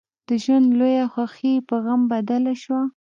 د ژوند لويه خوښي يې په غم بدله شوه.